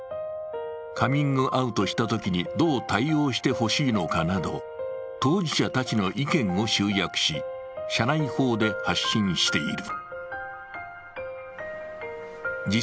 カミングアウトしたときに、どう対応してほしいのかなど当事者たちの意見を集約し社内報で発信している。